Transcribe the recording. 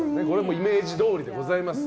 イメージどおりでございます。